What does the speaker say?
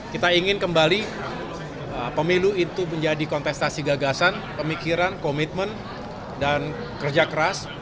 kita ingin kembali pemilu itu menjadi kontestasi gagasan pemikiran komitmen dan kerja keras